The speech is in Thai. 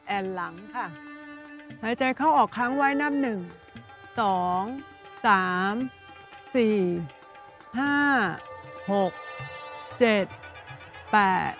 แอดหลังค่ะหายใจเข้าออกค้างไว้นับ๑